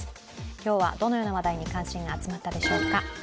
今日はどのような話題に関心が集まったでしょうか。